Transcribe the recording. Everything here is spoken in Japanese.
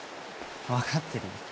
分かってるよ。